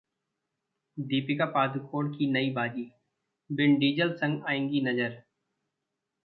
दीपिका पादुकोण की नई वाजी, विन डीजल संग आएंगी नजर?